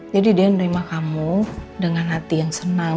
jadi dia yang terima kamu dengan hati yang senang